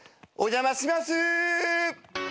お邪魔します。